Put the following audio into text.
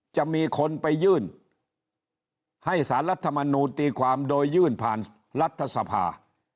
จะมีคนไปยื่นให้สารรัฐมนูลตีความโดยยื่นผ่านรัฐสภา